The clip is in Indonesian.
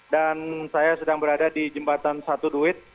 dan saya sedang berada di jembatan satu duit